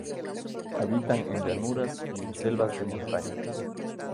Habitan en llanuras y en selvas de montaña.